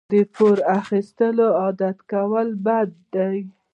د پور اخیستل عادت کول بد دي.